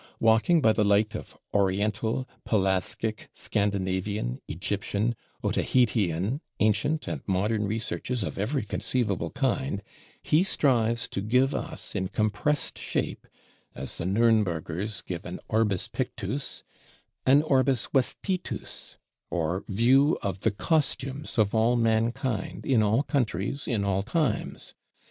Walking by the light of Oriental, Pelasgic, Scandinavian, Egyptian, Otaheitean, Ancient and Modern researches of every conceivable kind, he strives to give us in compressed shape (as the Nürnbergers give an Orbis Pictus) an Orbis Vestitus; or view of the costumes of all mankind, in all countries, in all times.